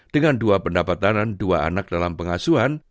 dengan dua pendapatan dua anak dalam pengasuhan